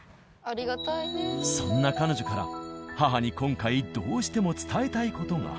そんな彼女から母に今回どうしても伝えたい事が。